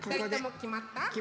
きまった。